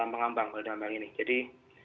mengambang pada zaman ini jadi